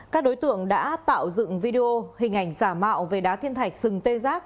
các đối tượng đã tạo dựng video hình ảnh giả mạo về đá thiên thạch sừng tê giác